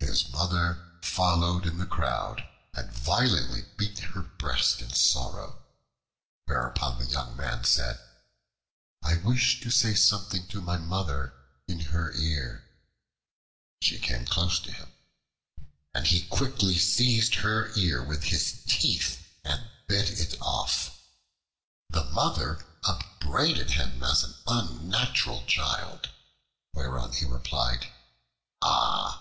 His Mother followed in the crowd and violently beat her breast in sorrow, whereupon the young man said, "I wish to say something to my Mother in her ear." She came close to him, and he quickly seized her ear with his teeth and bit it off. The Mother upbraided him as an unnatural child, whereon he replied, "Ah!